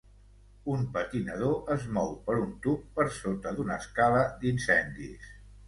Un patinador es mou per un tub per sota d'una escala d'incendis.